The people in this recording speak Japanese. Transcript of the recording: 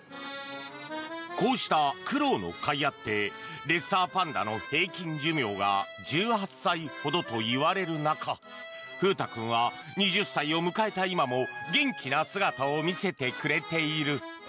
こうした苦労のかいあってレッサーパンダの平均寿命が１８歳ほどといわれる中風太君は２０歳を迎えた今も元気な姿を見せてくれている。